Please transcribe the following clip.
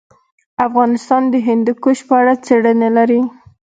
افغانستان د هندوکش په اړه څېړنې لري.